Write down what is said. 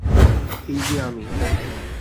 এই যে আমি!